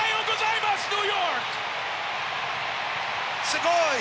すごい！